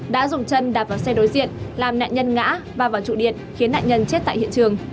đã dùng chân đạp vào xe đối diện làm nạn nhân ngã ba vào trụ điện khiến nạn nhân chết tại hiện trường